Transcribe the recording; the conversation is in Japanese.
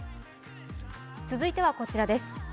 続いてはこちらです。